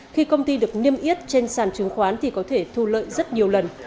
khi công ty được niêm yết trên sàn chứng khoán thì có thể thu lợi rất nhiều lần